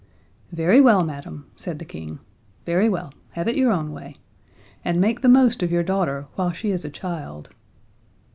"Very well, madam," said the King, "very well have your own way. And make the most of your daughter, while she is a child."